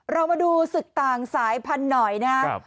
เรามาดูศึกต่างสายพันธุ์หน่อยนะครับ